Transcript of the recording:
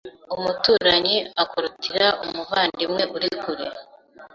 Umuturanyi akurutira umuvandimwe uri kure